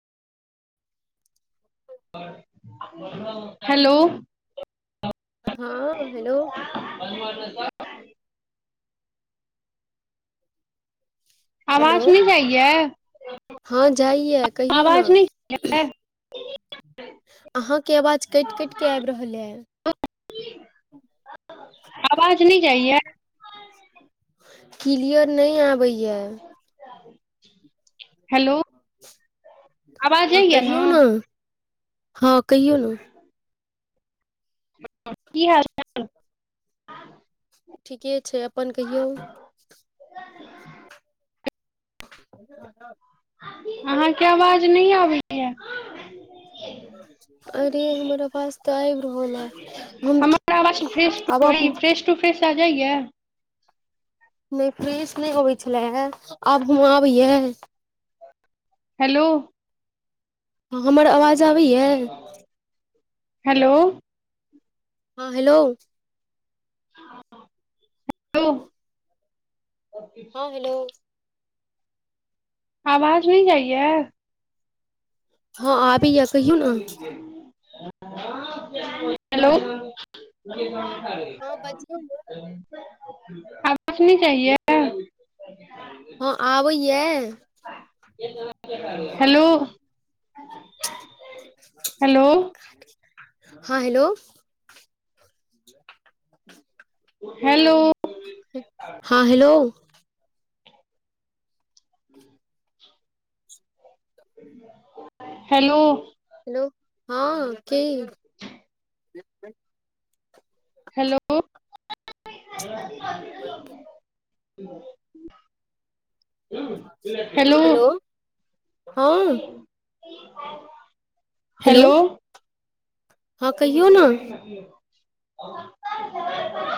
Hello हँ hello [inaudible] hello आवाज नहि हँ जाइये जाइया कहियौ ने आवाज नहि जाइये [inaudible] अहाँके आवाज कटि कटि के आबि रहल ए। आवाज नहि जाइयेए। क्लियर नहि आबै ये। हेलो आवाज हँ जाइया कहियौ ने हँ कहियौ ने की हाल ठीके छै अपन कहियौ [inaudible] अहाँके आवाज नहि आबैए अरे हमर पास तऽ आइब रहल हें आब अबैये जाइये नहि फ्रेश नहि अबै छले हे। आब हमरो आबैये हेलो। हँ। हमर आवाज आबैये। हेलो। हँ। हेलो। हेलो। हँ। हेलो। आवाज नै जाइये हँ आबैये कहियौ ने हेलो। हँ बजियौ ने आबाज नै। जाइये। [unintelligible] हं आबय ये। हेलो। हेलो हं हेलो। हेलो। हां हेलो। [inaudible] हेलो। हेलो हं की। [inaudible] Hello [unintelligible] [inaudible] hello. हं। हेलो। हँ कहियौ ने [unintelligible]